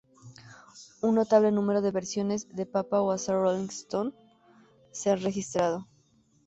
Un notable número de versiones de "Papa Was a Rollin 'Stone" se han registrado.